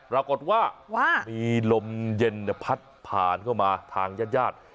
ราบกดว่ามีลมเย็นพัดผ่านเข้ามาทางยาด